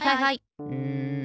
うん。